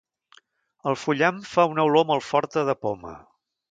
El fullam fa una olor molt forta de poma.